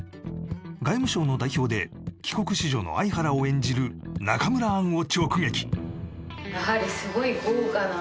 外務省の代表で帰国子女の相原を演じる中村アンを